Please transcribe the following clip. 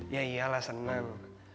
ya iyalah seneng